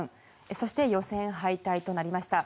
そして、予選敗退となりました。